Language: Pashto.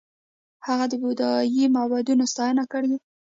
هغه د بودايي معبدونو ستاینه کړې